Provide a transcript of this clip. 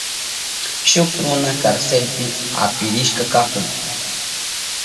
Shuk runa karselpi apirishka kahun.